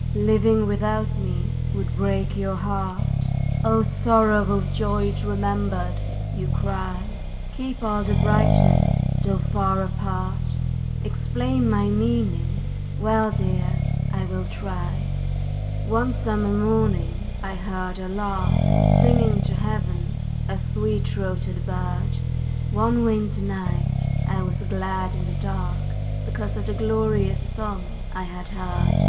Living without me would break your heart, "O sorrow of joys remembered!" You cry, Keep all the brightness though far apart, Explain my meaning well dear, I will try. One summer morning I heard a lark Singing to heaven, a sweet throated bird, One winter night I was glad in the dark, Because of the glorious song I had heard.